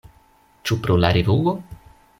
Ĉu pro la revuo?